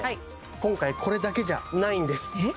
今回これだけじゃないんですえっ？